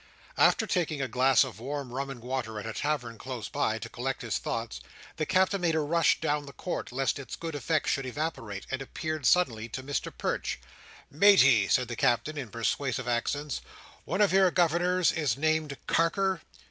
After taking a glass of warm rum and water at a tavern close by, to collect his thoughts, the Captain made a rush down the court, lest its good effects should evaporate, and appeared suddenly to Mr Perch. "Matey," said the Captain, in persuasive accents. "One of your Governors is named Carker."